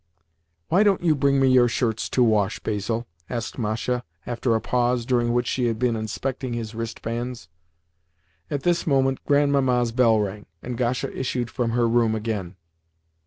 "Why don't you bring me your shirts to wash, Basil?" asked Masha after a pause, during which she had been inspecting his wrist bands. At this moment Grandmamma's bell rang, and Gasha issued from her room again.